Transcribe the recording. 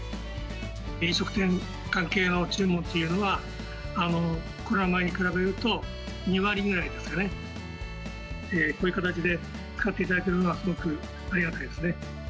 飲食店関係の注文というのは、コロナ前に比べると、２割ぐらいですかね、こういう形で使っていただけるのは、すごくありがたいですね。